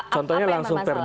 contohnya langsung per dasari